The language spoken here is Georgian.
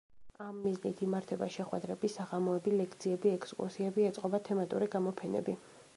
ამ მიზნით იმართება შეხვედრები, საღამოები, ლექციები, ექსკურსიები, ეწყობა თემატური გამოფენები.